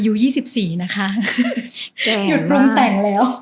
หยุดปรุงแต่งแล้ว